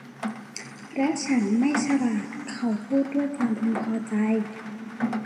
และฉันไม่ฉลาด เขาพูดด้วยความพึงพอใจ